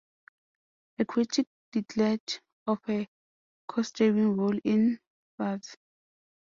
A critic declared of her co-starring role in Futz!